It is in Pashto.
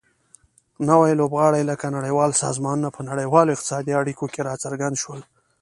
نوي لوبغاړي لکه نړیوال سازمانونه په نړیوالو اقتصادي اړیکو کې راڅرګند شول